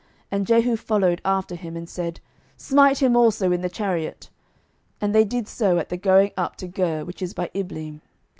And Jehu followed after him, and said, Smite him also in the chariot. And they did so at the going up to Gur, which is by Ibleam.